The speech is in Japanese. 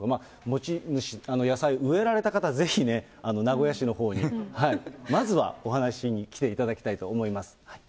持ち主、野菜植えられた方、ぜひね、名古屋市のほうに、まずはお話に来ていただきたいと思います。